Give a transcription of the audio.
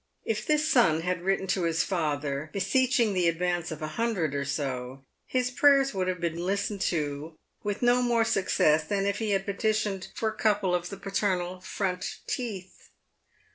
If this son had written to his father, beseeching the advance of a hundred or so, his prayers would have been listened to with no more success than if he had petitioned for a couple of the paternal front teeth.